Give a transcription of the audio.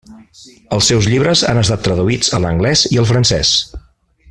Els seus llibres han estat traduïts a l'anglès i al francès.